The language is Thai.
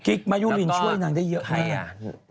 กิ๊กมายุรินช่วยนางได้เยอะมาก